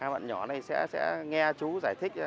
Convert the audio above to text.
hai bạn nhỏ này sẽ nghe chú giải thích